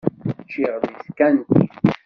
Ččiɣ deg tkantint.